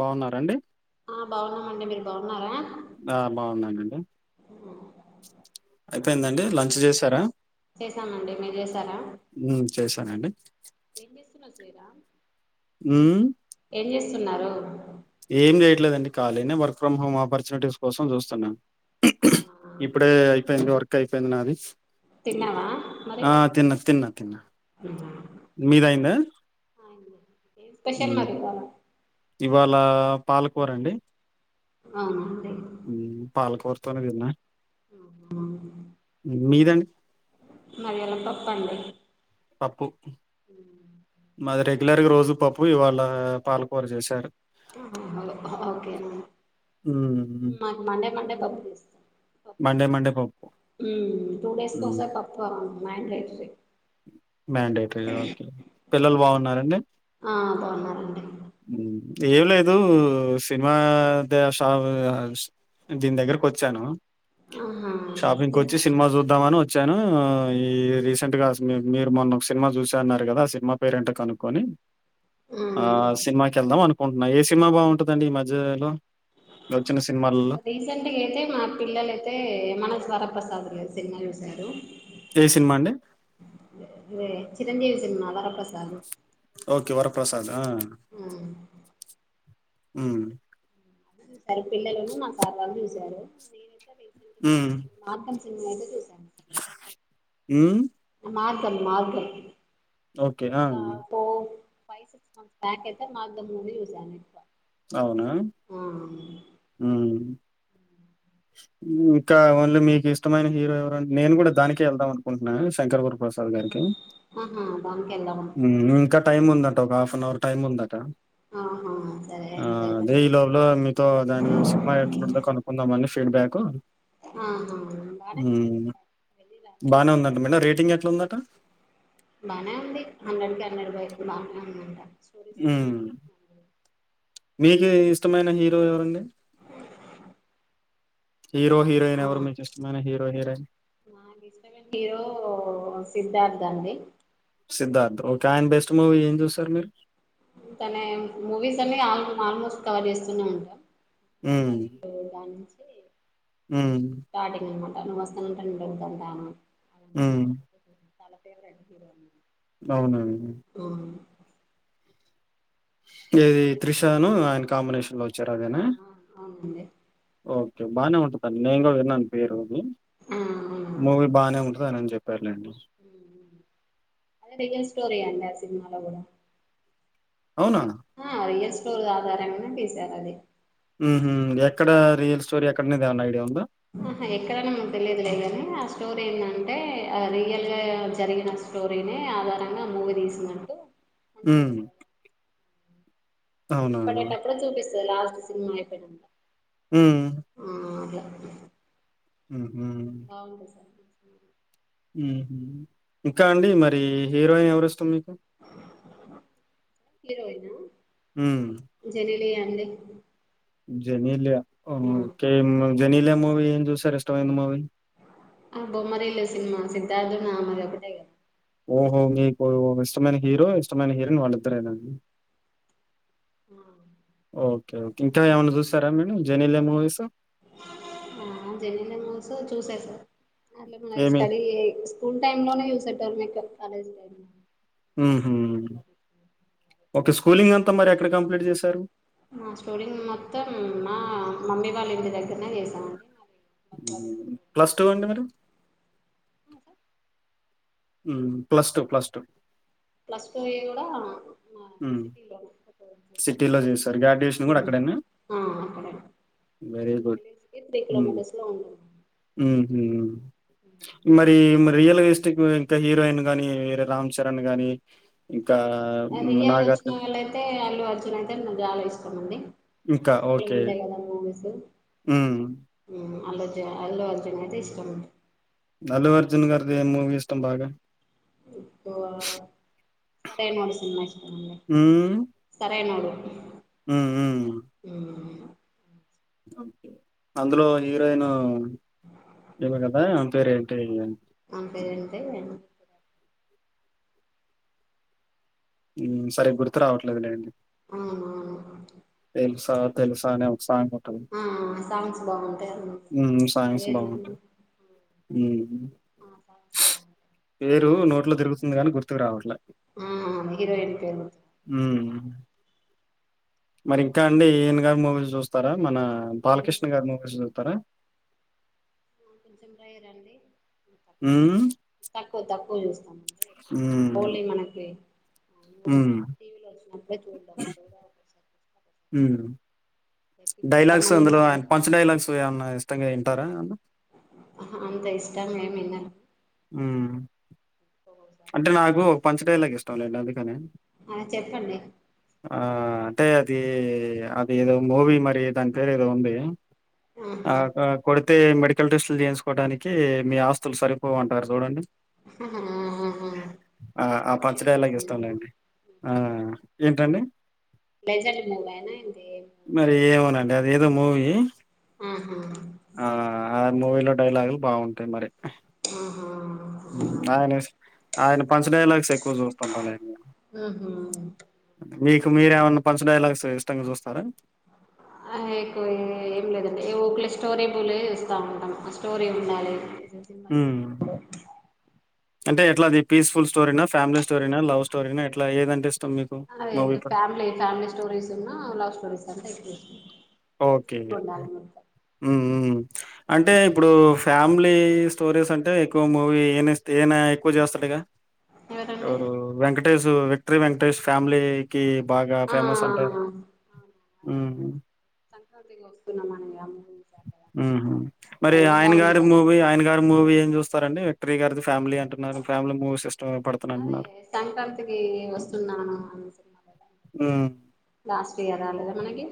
బాగున్నారా అండి ఆ బాగున్నామండి మీరు బాగున్నారా ఆ బాగున్నానండి అయిపోయిందండి లంచ్ చేశారా చేసానండి మీరు చేసారా ఉమ్ చేశానండి ఊ తున్నారు ఏం చేయట్లేదండి కలినే వర్ ఫ్రమ్ హోమ్ ఆపర్చునిటీస్ కోసం చూస్తున్నా. అవునా ఇప్పుడే అయిపోయింది వర్క్ అయిపోయింది నాది. తిన్నావా మరి ఆ తిన్న తిన్న తిన్నా మీది అయిందా ఏ పెషల్ మాది వాలా ఇవాళ పాలకూర అండి ఆ ఉ పాలకూర్తోనే తిన్నా ఆ హ మీదండ్ మాది యెలం పప్పండి పప్పు ఉ మాది రెగ్యులర్గ్ రోజు పప్పు ఇవాళ పాలకూర చేశారు. ఆహా ఓకే నండి ఉమ్ మది మండే మండే పప్పు చేస్తాం. మండే మండే పప్పు ఉ ఉ టూ డేస్ ఒక్క సారి పప్పు మా ఇంట్లో ఎక్కువే మెండేటరీగా ఓకే పిల్లలు బాగున్నారండి ఆ బాగున్నారండి ఉ ఏమ్ లేదు సినిమా దేష సవనస్ దీని దగ్గరకి వచ్చాను ఆహా షాపింగ్కి తిన్- వచ్చి సినిమా చూద్దామని వచ్ వచ్చాను ఈ రీసెంట్ గాస్ మీరు మొన్న ఒక సినిమా చూసా అన్నారు కదా, ఆ సినిమా పేరెంటో కనుక్కొని ఆ మ్మ్. స్ చూదాం అనుకుంటున్నా ఏ సినిమా బాగుంటుందండి ఈ మధ్యలో వచ్చిన సినిమాలలో? రీసెంట్గా అయితే మా పిల్లలయితే మనస్ వర ప్రసదులే సినిమా చూసారు ఏ సినిమా అండి? మే చిరంజీవి తిన్నల ప్రసాదు ఓకే వరప్రసాద్ ఆ ఉమ్ ఇద్దరు పిల్లలు మా సార్ వాళ్ళు చూసారు హ్మ్. మార్గం చిన్నదయితే ఉ మార్గల్ మార్గల్ ఓకే. ఆ! తా పో ఫైవ్ సిక్స్ మంత్స్ బ్యాక్ అయితే మాకు దమ్ ముందు చూసా ఎక్కువ అవునా హ్మ్ ఇంకా ఓన్లీ మీకు ఇష్టమైన హీరో ఎవర నేను కూడా దానికే ఎళ్దాం అనుకుంటున్నా శంకర్ వర ప్రసాద్ గారిక ఆహా దానికి వెళ్దామా హ్మ్ ఇంకా టైమ్ ఉందట ఒక హాఫ్ అన్ అవర్ టైమ్ ఉందటా ఆహా సరే ఆ అదే వెళ్దండి ఈ లోపుల మీతో దానికి సినిమా ఎట్లుందో కనుకుందాం అని ఫీడ్బ్యాక్ ఆహా బానే ఉ ఉంటుంది వెళ్ళి బానే రావచ్చు ఉందట మేడం రేటింగ్ ఎట్లా ఉందన్ బానే ఉంది హండ్రెడ్కి హండ్రెడ్ పోంది బా అవునా హ్మ్. మీకు ఇష్టమైన హీరో ఎవరండి హీరో హీరోయిన్ ఎవరు మీకిష్టమైన హీరో హీరోయిన్ నాకిష్టమైన హీరో సిద్ధార్థ్ అండి సిద్ధార్థ్ ఓకే ఆయన బెస్ట్ మూవీ ఏం చూశారు మీరు తనే మూవీస్ అన్ని ఆల్మోస్ట్ కవర్ చేస్తూనే ఉంటా బొమ్మ హ్మ్. రెండు మార్నింగ్స్ హ్మ్ తను వస్తానంటే నేను వద్దంటాన హ్మ్ చాలా ఫేవరెట్ హీరో అవునా ఏది త్రిషను ఆయన కాంబినేషన్ లో ఆ ఆ ఆ అదే ఓకే బానే ఉంటుందండి. నేను కూడా విన్నాను పేరు అది ఆ మూవీ బానే ఉంటది అని చెప్ హ్మ్ అదే రియల్ స్టోరీ అండి ఆ సినిమలో కూడ అవునా ఆ రియల్ స్టోర్ ఆధారంగనే తీసారు అది హ్మ్ హ్మ్ ఎక్కడ రియల్ స్టోరి ఎక్కడనేదన్నా ఐడియా ఉంద ఆహా ఎక్కడన్నా మనకు తెలియదులేగాని ఆ స్టోరీ ఏంది అంటే ఆ రియల్ గా జరిగిన స్టోరీని ఆధారంగా మూవీ తీసినట్టు హ్మ్ అవునా! నేమ్స్ పడేటప్పుడు చూపిస్తది లాస్ట్ సినిమా అయిపెనంక హ్మ్ హుహు. బావుంటది సండే చూడ హ్మ్ హ్మ్ ఇంకా అండి మరీ హీరోయిన్ ఎవరి ఇష్టం మీకు హీరోయినా హ్మ్. జెనీలి లియ అండి జెనీలియ ఓకె జెనీలియ మూవి ఏం చూసారు ఇష్టమైన మూవి ఆ బొమ్మరిల్లు సినిమా సిద్ధార్థు ఆమెదొకటే కదా ఓహో మీకు ఇష్టమైన హీరో ఇష్టమైన హీరోయిన్ వాళ్ళిద్దరేనా హా ఓకే. ఇంకా ఏమైన్నా చూశారా మీరూ జెనీలియ మూవీస్ ఆ జెనీలియ మూస్ చూసేసా ఆల్రెడీ మై ఏమి? స్టడీ స్ స్కూల్ టైంలోనే చూసెటోల్లం అట్ట కాలేజ్ టైంలో హుహు. తర్వాత ఓకే స్కూలింగ్ అంతా మరి ఎక్కడ కంప్లీట్ చేశారు మా స్టోరీని మొత్తం మా మమ్మీ వాళ్ళ ఇంటి దగ్గరనే చేసానండి. హ్మ్ ప్లస్ టూ అండి మరీ హ్మ్ plus two plus two plus two ఏ కూడా మా హ్మ్ సిటీలో సిటీలో చేశారు గాడ్యుయేషన్ కూడా అక్కడేనా ఆ అక్కడే మా విలేజ్ కి త్రీ కిలోమీటర్స్ లో ఉంటుంది [unintelligible] మరి మరి రియలిస్టిక్ ఇంకా హీరోయిన్ గాని వేరే రామ్ చరణ్ గాని ఇంకా అది హ్మ్, ఇయ్యలు వచ్చిన 'నాగార్జున' వాళ్ళ అయితే అల్లు అర్జున్ నాకు చాలా ఇష్టంమండి ఆ ఉంట కదా ముగసు ఆ అల్లు అర్జున్ అయితే ఇష్టం అల్లు అర్జున్ గారిది ఏ మూవీ ఇష్టం బాగ సరైనోడు సినిమా ఇష్టం అండి సరైనోడు హు హు అందులో హీరోయిన్ ఏమ కదా సరేంటి అంతే అంతే సరే గుర్తు రావట్లేదులేండి ఆ ఆ తెలుసా తెలుసా సాంగ్ఉంటంది ఆ సాంగ్స్ బాగుంటాయి అ సాంగ్స్ ఏది బాగుంటాయి ఆ సాంగ్స్ బాగుంటాయి ఆ పేరు మూవీ నోట్లో తిరుగుతుంది గాని గుర్తుకు రావట్లే ఆ హీరోయిన్ పేరు హ్మ్. మరి ఇంకా అండి ఈన్ గారు మూవీస్ చూస్తారా మన బాలకృష్ణ గారీ మూవీస్ చతార కొంచెం రేర్ అండి తక్కువ హ్మ్. తక్కువ తక్కువ చూస్తాం హోలి మనకి హు చూ మ హు ఎపిక్స్ డైలాగ్స్ అందులో సంబంధించిన ఆయన పంచ డైలాగ్స్ ఏమన్నా ఇష్టంగా ఇంటార అంతా ఇష్టా మేమిన్న ఉ అంటే నాకు ఒక పంచటయలాకి ఇష్టం లేండి అందుకని ఆ చెప్పండి ఆ అది అది ఏదో మూవి మరి దాని పేరు ఏదో ఉంది ఆహా ఆ కొ అయితే మెడికల్ టెస్టులు చేయించుకోవడానికి మీ ఆస్తులు సరిపోవ అంటారు చూడండి ఆహా ఆహా ఆ ఆ లేజెండ్ పంచడియలాకి సినిమానా ఇస్తలేండి ఆ ఏంటండి లెజెండ్ మూవేనా ఏంది మరి ఏమనండి అది ఏదో మూవీ ఆహా ఆ మూవీలో డైలాగులు బాగుంటాయి మరి ఆహా ఆయన ఆయన పంచ్ డైలాగ్స్ ఎక్కువ చూస్తుంటా అండి నేను హు హు మీకు మీరేమైన్నా పంచ డైలాగ్స్ ఇష్టంగా చూస్తారా ఎక్కువ ఏం లేదండి ఊల స్టోరీ బులే ఇస్తూ ఉంటాం స్టోరీ ఉండాలి మై హ్మ్ అంటే ఎట్లా అది పీఫుల్ స్టోరీనా ఫ్యామిలీ స్టోరీనా లవ్ స్టోరీనా ఎట్లా ఏదంటే ఇష్టం మీకు అదే మూవీ ప ఫ్యామిలీ ఫ్యామిలీ స్టోరీస్ ఉన్నా లవ్ స్టోరీస్ అంతా ఎక్ వస్తుంది ఓకే అంటే ఇప్పుడు ఫ్యామిలీ స్టోరీస్ అంటే ఎక్కువ మూవీ ఏ ఏనా ఎక్కువ చేస్తాడు ఇక ఎవరండి ఎవరు వెంకటష్ విక్ట్రీ వెంకటష్ ఫ్యామిలీ కి బాగా ఆ ఫేమస్ అంటారు సంక్రాంతికి వస్తున్నామా అమ్మ సార్ద ఉహు మరి అది కూడా కూడా ఆయన గారి బాగునంటదు మూవీ ఆయన గారి మూవీ ఏం చూస్తారంటే త్రిగర్ ఫ్యామిలీ అంటున్నారు ఫ్యామిలీ మూవీస్ ఇష్టం పడుతు అదే అంటున్నారు. సంక్రాంతికి వస్తున్నాను అనే సినిమా లాస్ట్ ఇయర్ రాలేద మనకి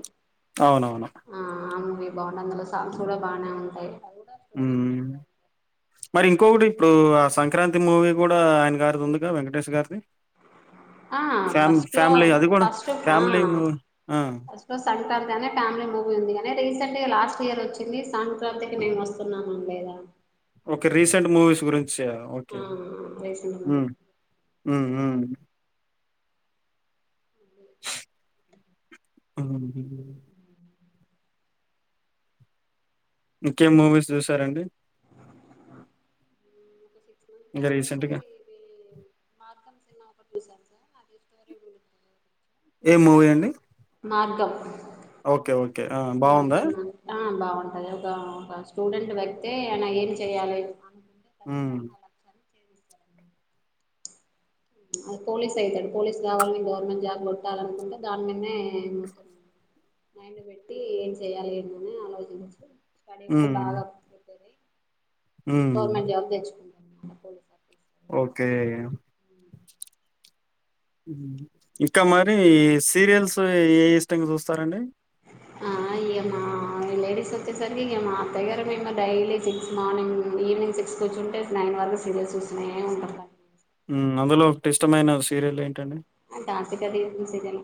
అవునవును అవు బాగుంటాయి అందులో సాంగ్స్ కూడా బానే ఉంటాయి. హ్మ్. మరి ఇంకొకటి ఇప్పుడు ఆ సంక్రాంతి మూవీ కూడా ఆయన గారిది ఉందిగా వెంకటేష్ గారిది ఆ ఫ్యామ్ ఫస్ట్ లో ఫ్యామిలీ అది కూడా ఫస్ట్ ఆ ఫ్యామిలీ మూవీ ఆ! ఫస్ట్ లో సంక్రాంతి అని ఫ్యామిలీ మూవీ ఉందిగానీ రీసెంట్ లాస్ట్ ఇయర్ వచ్చింది సంక్రాంతికి మేము వస్తున్నాం లేదా ఓకే రీసెంట్ మూవీస్ గురించి ఓకే ఆ రీసెంట్ మూవీ అ ఆ ఇంకేం మూవీస్ చూసారంండి చూ దాక అయితే ఇది మార్గంస్ [unintelligible] ఏ మూవీ అండి మగ్గం ఓకే. ఓకే. ఆ! బావుందా? ఆ బావ అదే ఒక ఒక స్టూడెంట్ గైతే ఆయన ఏం చెయాలి మ్ పోలీస్ ఐతాడు పోలీస్ కావాలని గవర్నమెంట్ జాబ్ కొట్టాలనుకుంటే దాని మీదనే మైండ్ పెట్టి ఏం చెయాలి అని ఆలోచించు హ్మ్. హ్మ్. గవర్నమెంట్ జాబ్ తెచ్చు ఓకే ఉ ఇంకా మరి సీరియల్స్ ఏ ఇష్టంగా చూస్తారండి ఇ మా లేడీస్ వచ్చేసరికి ఇక మా అత్తగర ఏమ daily six morning evening six వచ్చింటే నైన్ వరకు సీరియల్స్ చూస్తునే ఉంటాం. ము అందులో ఒక ఇష్టమైన సీరియల్ ఏంటండి అ తాంత కది సిజను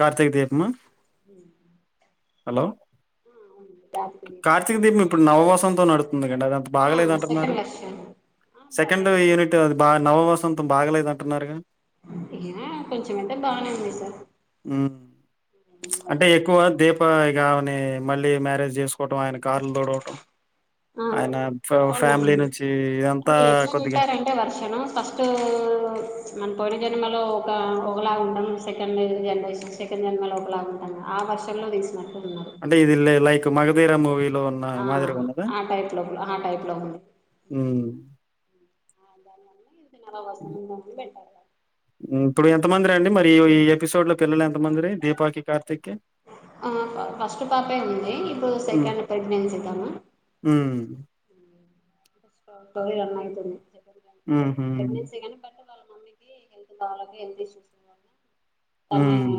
కార్తకదిపమా హలో ఆ ఉంది కార్తీక దీపం కార్తీక సీరియల్ దిపం ఇప్పుడు నవవాసంతం నడు ఎందుకంటే అదింత బాగలేదు ఆ అంటున్నారు సెకండ్ వర్షన్ ఆ సెకండ్ పర్లేదు యూనిట్ అది బాగా నవవాసం మొత్తం బాగలేదు అంటున్నారుగా ఇ కొంచం అంటే బాగానే ఉంది సార్ ము అంటే ఎక్కువ దీప ఇ కావని మళ్ళీ మ్యారేజ్ చేసుకు పోటం ఆయన కార్లు తుడవటం ఆ అవునవును ఇదంతా అరే ఎట్లా కొద్దిగా విట్టారంటే వర్షను ఫస్ట్ ఊ మనపోడి జన్మలో ఒక ఒకలాగా ఉంటాము, సెకండ్ జన్మేషన్ సెకండ్ జన్మలో ఒకలాగా ఉంటాము ఆ వర్షంలో తీసినడు. అంటే ఇదిల్ లైక్ మగధీర మూవి లో ఉన్న ఆ మాదిరగా ఉన్నదా ఆ టైప్ లో ఆ టైప్ లో ఉంది నవవాసంతం అని పెట్టరు హ్మ్. ఇప్పుడు ఎంతమందిరా అండి మరి ఈ ఎపిసోడ్ లో పిల్లలు ఎంత మందిర దీపాకి కార్తిక్కి ఆ ఫస్ట్ పాపే ఉంది ఇప్పుడు సెకండ్ ప్రెగ్నెన్సీ తను ఊ టొఇ రన్న అయితుంది ఉ హ్మ్ వాళ్ళ మమ్మీకి హెల్త్ భలేక హెల్త్ ఇష్యూస్ హ్మ్.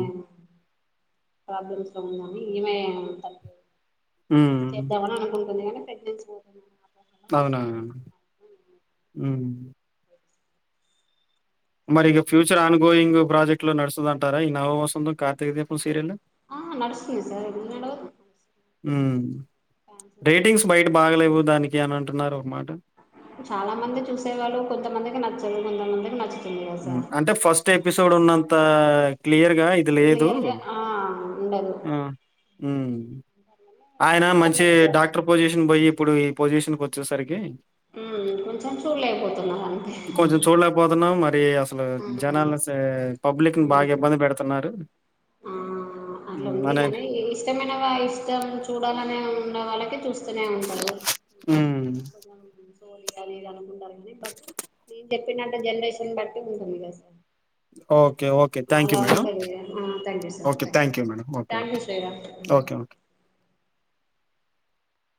ప్రబ్లమ్స్ ఉందా ఇమె తప్ప హ్మ్. చేద్దామ అని అనుకుంటుంది కానీ ప్రెగ్న్సీ పోతుంది అవునా మరి ఇక ఫ్యూచర్ ఆన్ గోయింగ్ ప్రాజెక్ట్ లో నడుస్తుంది అంటారా ఈ నవ వసంంద కార్తీ దీపం సీరియల్ ఆ నడుస్తన సార్ ఇ ఉ రేటింగ్స్ బయట బాగలేవు దానికి అని అంటున్నారు ఒక మాట స గంద మందగాకుచ్చంది అంటే ఫస్ట్ ఎపిసోడ్ ఉన్నంత క్లియర్గా ఇది లేదు క్లియర్గా ఆ ఉండదు వల్లనే ఆయన చెప్పట్లే మంచి ఇప్పుడు డాక్టర్ వర్షాలు పొజిషన్ పోయి ఇప్పుడు ఈ పొజిషన్ కు వచ్చేసరికి ఉ కొంచెం చూడలేకపోతున్నారు అంతే కొంచెం చూడలేకపోతున్నాం. మరి అసలు జనాల పబ్లిక్ ఉమ్ బాగా ఇబ్బంది పెడుతున్నారు ఆ అట్లా హ్మ్. ఉంది అనే కాగాని ఇష్టమైన ఇష్టం చూడాలనే ఉన్న వాళ్ళకే చూస్త వస్తూనే ఉంటారు హ్మ్. లి అనిద ఉండారు కాగానీ నేను చెప్పినట్టు జనరేషన్ బట్టి ఉంటుంది కదా sir okay okay thank you అలా మేడ ఉంటుంది ఆ thank you sir okay thank you మేడ okay thank you Sriram okay okay